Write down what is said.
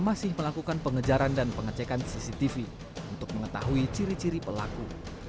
masih melakukan pengejaran dan pengecekan cctv untuk mengetahui ciri ciri pelaku